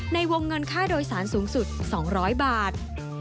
ในวงเงินค่าโดยสารสูงสุด๒๐๐บาท